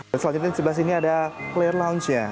dan selanjutnya di sebelah sini ada player lounge nya